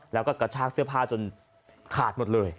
แล้วก็กระชากเสื้อผ้าจนขาดหมดเลย